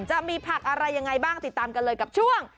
จะมีผักอะไรยังไงบ้างติดตามกันเลยกับช่วง